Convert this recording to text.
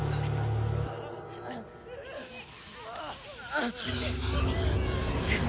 あっ！